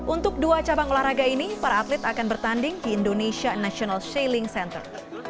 untuk dua cabang olahraga ini para atlet akan bertanding di indonesia national sailing center